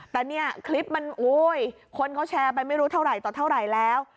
แต่คลิปมันคุณเขาแชร์ไปไม่รู้ต่อเท่าไหร่แล้ว